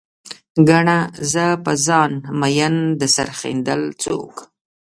ګڼه، زه په ځان مين د سر ښندل څوک